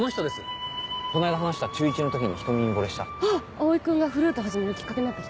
蒼君がフルート始めるきっかけになった人？